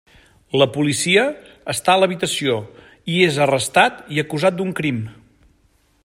La policia està a l'habitació i és arrestat i acusat d'un crim.